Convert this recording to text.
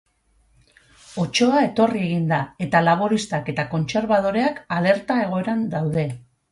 Otsoa etorri egin da, eta laboristak eta kontserbadoreak alerta egoeran daude.